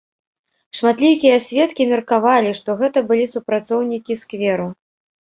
Шматлікія сведкі меркавалі, што гэта былі супрацоўнікі скверу.